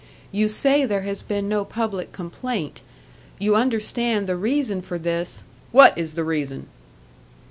You say there has been no public complaint; you understand the reason for this " "What is the reason?"